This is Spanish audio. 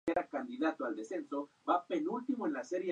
Comenzó a escribir poesía en sus años de estudiante.